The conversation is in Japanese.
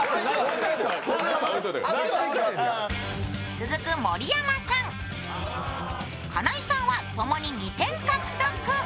続く盛山さん、カナイさんは共に２点獲得。